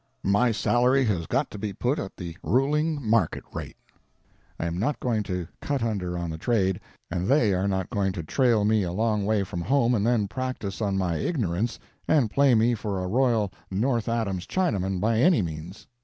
My salary has got to be put at the ruling market rate; I am not going to cut under on the trade, and they are not going to trail me a long way from home and then practise on my ignorance and play me for a royal North Adams Chinaman, by any means.